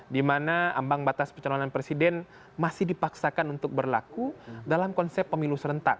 di mana abang batas penyelamatan presiden masih dipaksakan untuk berlaku dalam konsep pemilu serentak dua ribu sembilan belas